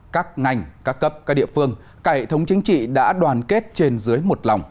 các ngành các cấp các địa phương cải thống chính trị đã đoàn kết trên dưới một lòng